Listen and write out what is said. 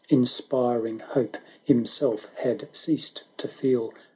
Inspiring hope, himself had ceased to feel.